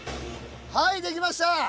はい出来ました！